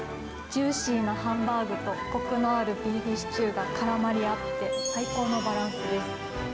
ジューシーなハンバーグと、こくのあるビーフシチューがからまり合って、最高のバランスです。